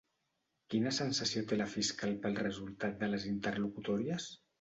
Quina sensació té la fiscal pel resultat de les interlocutòries?